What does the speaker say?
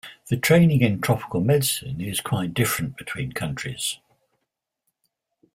The training in Tropical Medicine is quite different between countries.